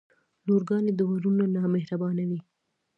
لورګانې د وروڼه نه مهربانې وی.